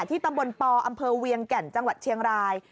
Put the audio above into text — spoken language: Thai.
ที่ตำบลปอำเภอเวียงแก่นจังหวัดเชียงราย